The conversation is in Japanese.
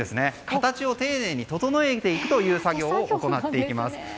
形を丁寧に整えていくという作業を行っていきます。